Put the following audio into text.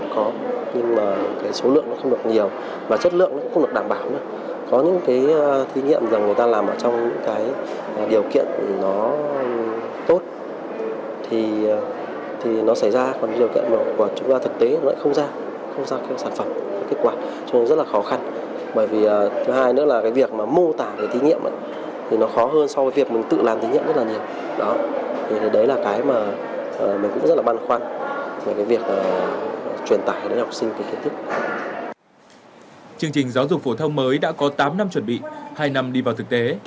chương trình giáo dục phổ thông mới đã có tám năm chuẩn bị hai năm đi vào thực tế